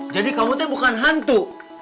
jadi kamu tuh bukan hantu